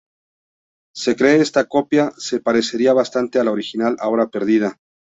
Se cree esta copia se parecería bastante a la original ahora perdida.